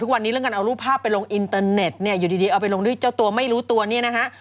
ทุกวันนี้เรื่องการเอารูปภาพไปลงอินเตอร์เน็ตเนี่ยอยู่ดีเอาไปลงด้วยเจ้าตัวไม่รู้ตัวเนี่ยนะฮะ